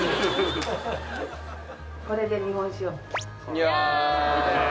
いや